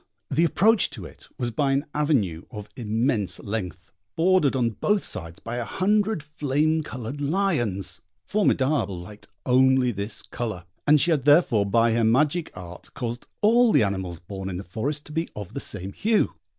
The approach to it was by an avenue of immense length, bordered on both sides by a hundred flame coloured lions. Formidable liked only this colour, and she had therefore by her magic art caused all the animals born in the forest to be of the same hue.